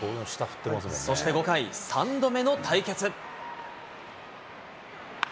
そして５回、３度目の対決。